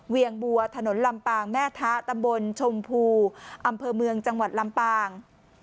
เวียงบัวถนนลำปางแม่ทะตำบลชมพูอำเภอเมืองจังหวัดลำปาง